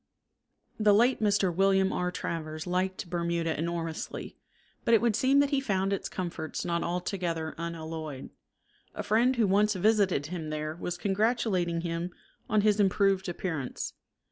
The late Mr. William R. Travers liked Bermuda enormously, but it would seem that he found its comforts not altogether unalloyed. A friend who once visited him there was congratulating him on his improved appearance.